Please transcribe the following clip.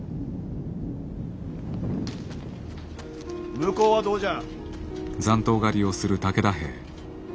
向こうはどうじゃ。